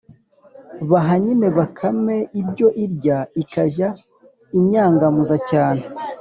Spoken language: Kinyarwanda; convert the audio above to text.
baha nyine bakame ibyo irya, ikajya inyangamuza cyane,